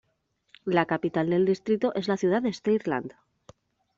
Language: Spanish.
La capital del distrito es la ciudad de Steyr-Land.